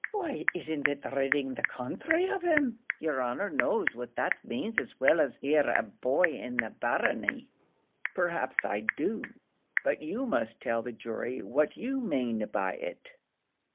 "Why isn't it ridding the counthry of him? yer honour knows what that means as well as ere a boy in the barony." "Perhaps I do; but you must tell the jury what you mane by it."